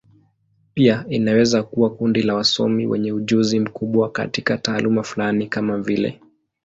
Pia inaweza kuwa kundi la wasomi wenye ujuzi mkubwa katika taaluma fulani, kama vile.